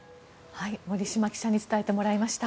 森嶋記者に伝えてもらいました。